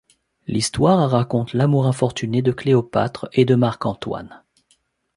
L'histoire raconte l'amour infortuné de Cléopâtre et de Marc Antoine.